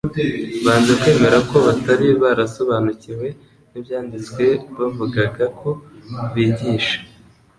Banze kwemera ko batari barasobanukiwe n'Ibyanditswe bavugaga ko bigisha.